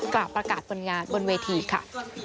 กล่าวประกาศบนงานบนเวทีค่ะ